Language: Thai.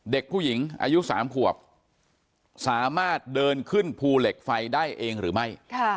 เด็กผู้หญิงอายุ๓ขวบสามารถเดินขึ้นภูเหล็กไฟได้เองหรือไม่